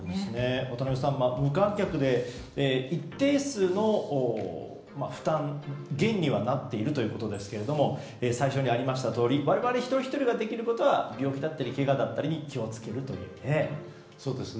渡辺さん、無観客で一定数の負担減にはなっているということですが最初にありましたとおり我々一人ひとりができることは病気やけがに気を付けるということですね。